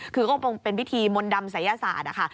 คือก็เป็นพิธีมนต์ดำศัยศาสตร์นะคะ